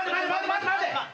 待て待て！